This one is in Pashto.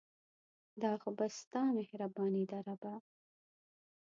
دا خو بس ستا مهرباني ده ربه